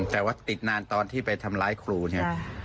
แต่ว่าติดนานตอนที่ไปทำร้ายครูเนี่ย